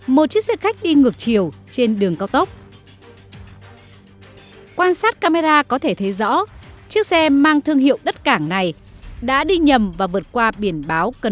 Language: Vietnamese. một chiếc xe khách đi ngược chiều trên đường cao tốc